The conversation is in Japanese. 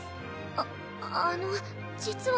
ああの実は。